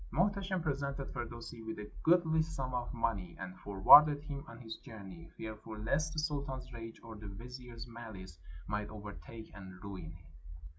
Muhteshim presented Firdusi with a goodly sum of money and forwarded him on his journey, fearful lest the sultan's rage or the vizier's malice might overtake and ruin him.